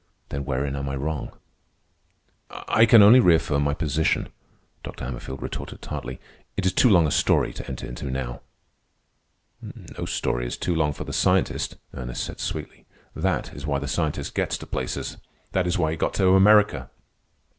"Then wherein am I wrong?" "I can only reaffirm my position," Dr. Hammerfield retorted tartly. "It is too long a story to enter into now." "No story is too long for the scientist," Ernest said sweetly. "That is why the scientist gets to places. That is why he got to America."